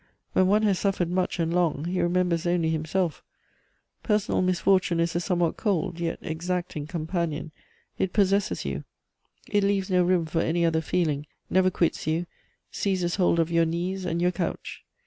When one has suffered much and long, he remembers only himself: personal misfortune is a somewhat cold, yet exacting companion; it possesses you; it leaves no room for any other feeling, never quits you, seizes hold of your knees and your couch.